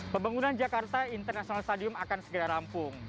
pembangunan jakarta international stadium akan segera rampung